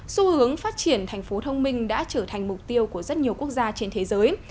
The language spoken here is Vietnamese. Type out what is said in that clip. xu hướng phát triển thành phố thông minh đã trở thành mục tiêu của rất nhiều quốc gia trên thế giới